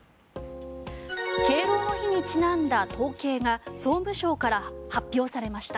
敬老の日にちなんだ統計が総務省から発表されました。